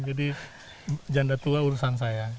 jadi janda tua urusan saya